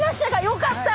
よかった！